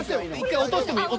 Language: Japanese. １回落としてもいい。